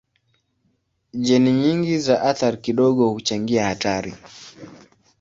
Jeni nyingi za athari kidogo huchangia hatari.